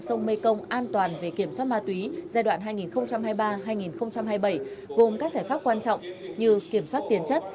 sông mekong an toàn về kiểm soát ma túy giai đoạn hai nghìn hai mươi ba hai nghìn hai mươi bảy gồm các giải pháp quan trọng như kiểm soát tiền chất